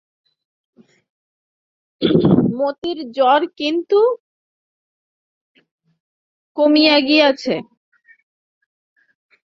মতির জ্বর কিন্তু কমিয়া গিয়াছে।